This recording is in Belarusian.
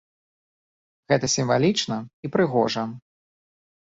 Гэта сімвалічна і прыгожа.